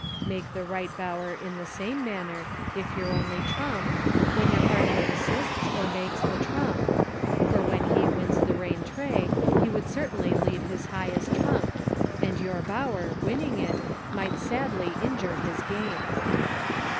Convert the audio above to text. Make the Bight Bower in the same manner, if your only trump, when your partner assists or makes the trump, for when he wins the rentree he would almost certainly lead his highest trump, and your Bower, winning it, might sadly injure his game.